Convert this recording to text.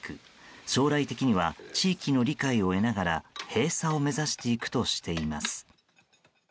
将来的には地域の理解を得ながら閉鎖を目指していくとしています。